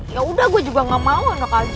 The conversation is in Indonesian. ya udah gue juga gak mau anak aja